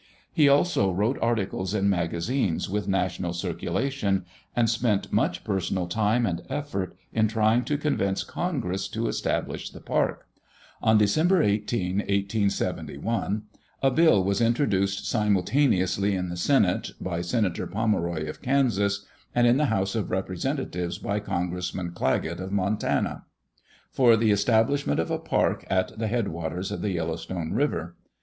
He also wrote articles in magazines with national circulation, and spent much personal time and effort in trying to convince Congress to establish the park. On December 18, 1871, a bill was introduced simultaneously in the Senate, by Senator Pomeroy of Kansas, and in the House of Representatives by Congressman Clagett of Montana, for the establishment of a park at the headwaters of the Yellowstone River.